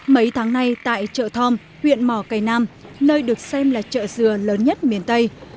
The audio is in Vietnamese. mấy tháng nay tại chợ thom huyện mỏ cầy nam nơi được xem là chợ dừa lớn nhất miền tây